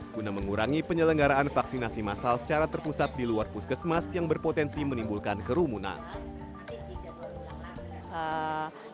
guna mengurangi penyelenggaraan vaksinasi masal secara terpusat di luar puskesmas yang berpotensi menimbulkan kerumunan